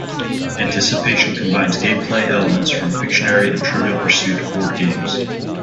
"Anticipation" combines gameplay elements from "Pictionary" and "Trivial Pursuit" board games.